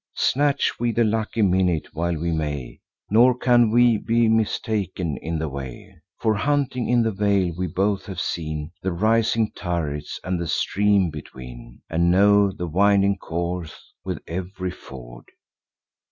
Snatch we the lucky minute while we may; Nor can we be mistaken in the way; For, hunting in the vale, we both have seen The rising turrets, and the stream between, And know the winding course, with ev'ry ford."